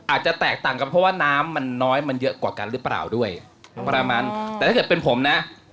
อาจจะแตกต่างกันเพราะว่าน้ำมันน้อยมันเยอะกว่ากันหรือเปล่าด้วยประมาณแต่ถ้าเกิดเป็นผมนะ